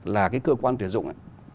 là cái cơ quan tuyển dụng